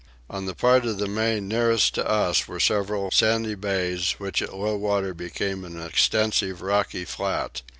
On the part of the main nearest to us were several sandy bays which at low water became an extensive rocky flat.